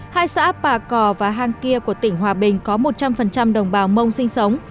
hai xã bà cò và hang kia của tỉnh hòa bình có một trăm linh đồng bào mông sinh sống